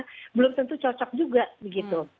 masuk ke sana belum tentu cocok juga begitu